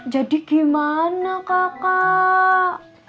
jadi gimana kakak